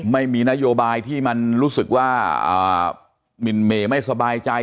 ไม่มีนโยบายที่มันรู้สึกว่าหมินเมย์ไม่สบายใจ